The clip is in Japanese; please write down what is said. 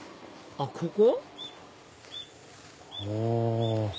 あっここ？